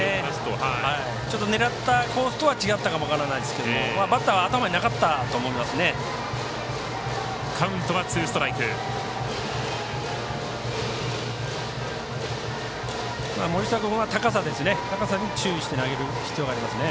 狙ったコースとは違ったかもしれないですけどバッター、頭になかったと思いますね。